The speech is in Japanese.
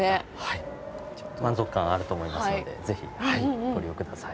満足感あると思いますのでぜひご利用ください。